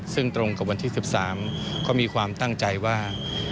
ซึ่งตรงกับวันที่๑๓ก็มีความตั้งใจว่า